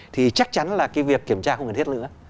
thì chắc chắn là cái việc kiểm tra không cần thiết nữa